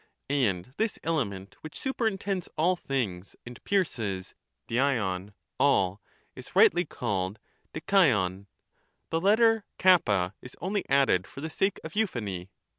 And this element, which superintends all things and pierces [didiov) all, is rightly called diKaior ; the letter k is only added for the sake of euphony.